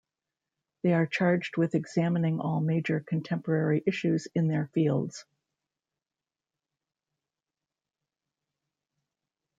They are charged with examining all major contemporary issues in their fields.